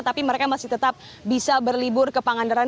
tapi mereka masih tetap bisa berlibur ke pangandaran